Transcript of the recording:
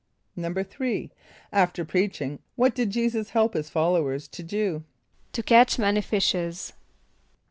= =3.= After preaching, what did J[=e]´[s+]us help his followers to do? =To catch many fishes.